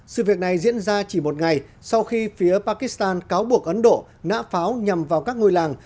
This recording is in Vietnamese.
sự việc này diễn ra chỉ một ngày sau khi phía pakistan cáo buộc ấn độ nã pháo nhằm vào các ngôi làng